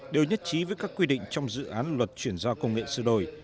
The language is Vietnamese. đều nhất trí với các quy định trong dự án luật chuyển giao công nghệ sửa đổi